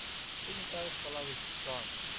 তিনি তার স্থলাভিষিক্ত হন।